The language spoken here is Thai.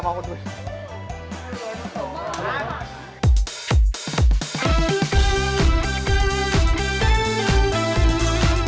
ยังอีกยัง